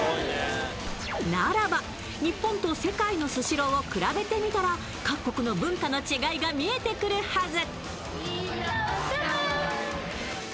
ならば、日本と世界のスシローを比べてみたら各国の文化の違いが見えてくるはず。